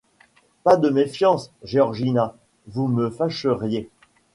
Pas de méfiance, Georgina ; vous me fâcheriez.